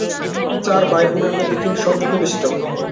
চার ভাই-বোনের মধ্যে তিনি সর্বকনিষ্ঠ।